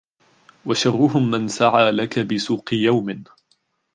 وَشَرُّهُمْ مَنْ سَعَى لَك بِسُوقِ يَوْمٍ